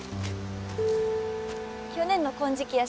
去年の「金色夜叉」